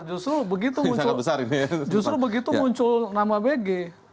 justru begitu muncul nama bg